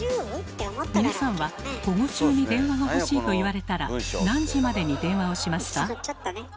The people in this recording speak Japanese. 皆さんは午後中に電話が欲しいと言われたら何時までに電話をしますか？